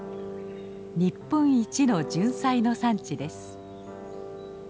日本一のジュンサイの産地です。